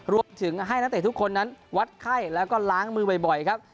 รวมถึงให้นักเตะทุกคนนั้นวัดไข้แล้วก็ล้างมือบ่อยครับ